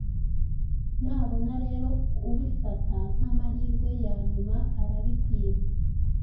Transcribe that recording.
nabona rero ubifata nk’amahirwe ya nyuma arabikwima